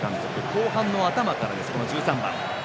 後半の頭からです、１３番。